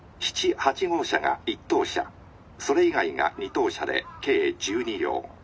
７８号車が１等車それ以外が２等車で計１２両。